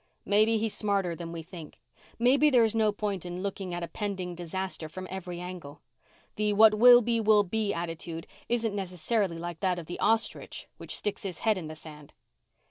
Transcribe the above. "Maybe he's smarter than we think. Maybe there's no point in looking at a pending disaster from every angle. The what will be will be attitude isn't necessarily like that of the ostrich which sticks its head in the sand."